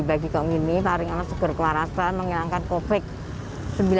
dibagi ke ini paling enak segera kewarasan menghilangkan covid sembilan belas